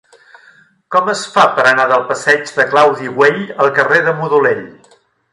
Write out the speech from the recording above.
Com es fa per anar del passeig de Claudi Güell al carrer de Modolell?